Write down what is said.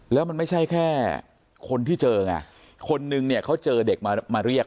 แล้วมันไม่ใช่แค่คนที่เจอไงคนนึงเนี่ยเขาเจอเด็กมามาเรียก